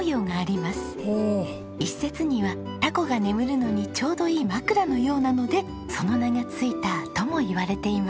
一説にはタコが眠るのにちょうどいい枕のようなのでその名がついたともいわれています。